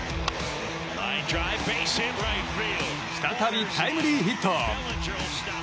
再びタイムリーヒット！